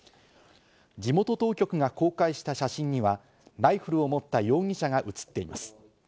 地元当局が公開した写真には、ライフルを持った容疑者が写っています。